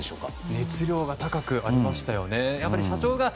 熱量が高くありましたよね。